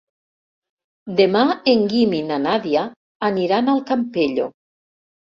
Demà en Guim i na Nàdia aniran al Campello.